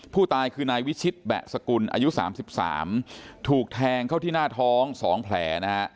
ผู้ตายคือนายวิชิตแบะสกุลอายุ๓๓ถูกแทงเข้าที่หน้าท้อง๒แผลนะฮะ